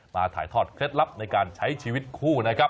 ถ่ายทอดเคล็ดลับในการใช้ชีวิตคู่นะครับ